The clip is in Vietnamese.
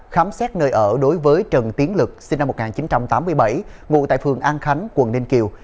khám xét nơi ở đối với trần tiến lực sinh năm một nghìn chín trăm tám mươi bảy ngụ tại phường an khánh quận ninh kiều